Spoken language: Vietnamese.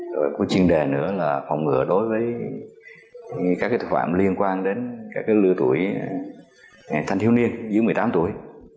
rồi chuyên đề nữa là phòng ngừa đối với các tội phạm liên quan đến các lưu tuổi thanh thiếu niên dưới một mươi tám tuổi